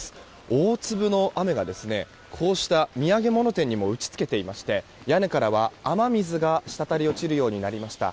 大粒の雨がこうした土産物店にも打ち付けていまして屋根から雨水がしたたり落ちるようになりました。